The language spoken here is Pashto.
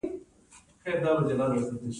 پوست نیم لیټر اوبه له لاسه ورکوي.